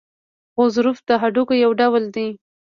غضروف د هډوکو یو ډول دی.